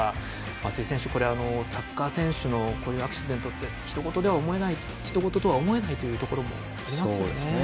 松井選手、サッカー選手のこういうアクシデントってひと事とは思えないというところもありますよね。